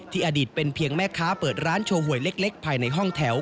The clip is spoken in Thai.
อดีตเป็นเพียงแม่ค้าเปิดร้านโชว์หวยเล็กภายในห้องแถว